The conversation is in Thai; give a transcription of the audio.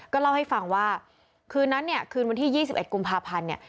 เล่าให้ฟังว่าคืนนั้นเนี่ยคืนวันที่๒๑กุมภาพันธ์เนี่ย